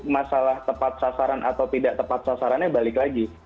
masalah tepat sasaran atau tidak tepat sasarannya balik lagi